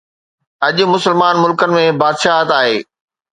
اڄ مسلمان ملڪن ۾ بادشاهت آهي.